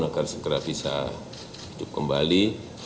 agar segera bisa hidup kembali